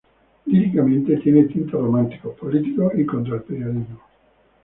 Líricamente tiene tintes románticos, políticos y contra el periodismo.